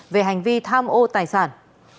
về hành vi tham ô tài sản